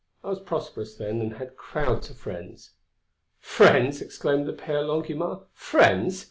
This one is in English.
I was prosperous then and had crowds of friends." "Friends," exclaimed the Père Longuemare, "friends!